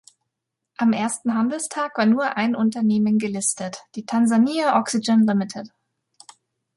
Am ersten Handelstag war nur ein Unternehmen gelistet, die "Tanzania Oxygen Ltd.